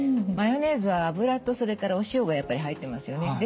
マヨネーズは油とそれからお塩がやっぱり入ってますよね。